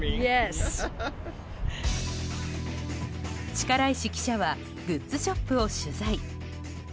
力石記者はグッズショップを取材。